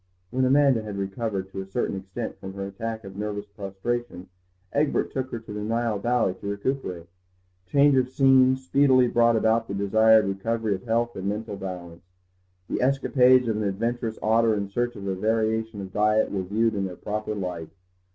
When Amanda had recovered to a certain extent from her attack of nervous prostration Egbert took her to the Nile Valley to recuperate. Change of scene speedily brought about the desired recovery of health and mental balance. The escapades of an adventurous otter in search of a variation of diet were viewed in their proper light.